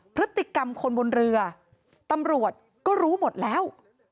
พฤติกรรมคนบนเรือตำรวจก็รู้หมดแล้ว